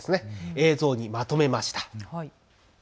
映像にまとめました。